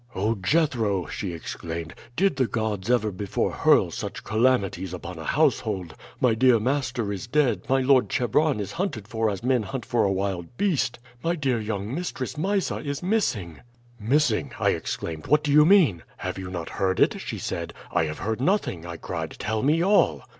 "'Oh, Jethro!' she exclaimed, 'did the gods ever before hurl such calamities upon a household? My dear master is dead; my lord Chebron is hunted for as men hunt for a wild beast; my dear young mistress, Mysa, is missing!' "'Missing!' I exclaimed. 'What do you mean?' "'Have you not heard it?' she said. "'I have heard nothing!' I cried. 'Tell me all!'